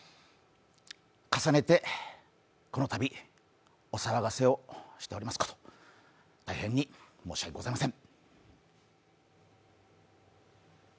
重ねてこのたびお騒がせをしておりますこと大変に申し訳ございません。